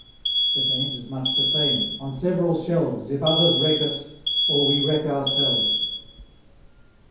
The danger's much the same; on several shelves If others wreck us, or we wreck ourselves.